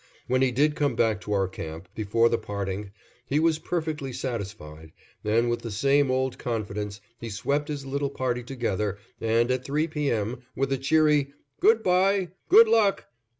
When he did come back to our camp, before the parting, he was perfectly satisfied, and with the same old confidence he swept his little party together and at three P. M., with a cheery "Good by! Good Luck!"